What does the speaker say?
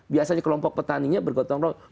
biasanya kelompok petaninya bergotong royong